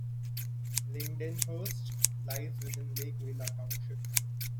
Lindenhurst lies within Lake Villa Township.